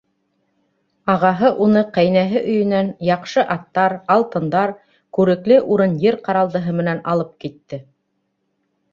Ағаһы уны ҡәйнәһе өйөнән яҡшы аттар, алтындар, күрекле урын-ер ҡаралдыһы менән алып китте.